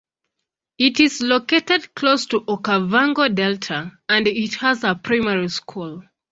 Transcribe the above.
It is located close to Okavango Delta and it has a primary school.